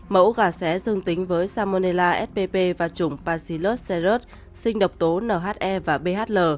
mẫu gà xé dương tính với salmonella spp và trủng palsilocerat sinh độc tố nhe và bhl